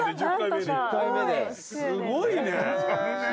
すごいね。